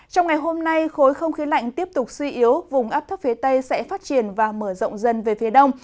trong ngày hôm nay khối không khí lạnh tiếp tục suy yếu vùng ấp thấp phía tây sẽ phát triển và mở rộng dần về phía đông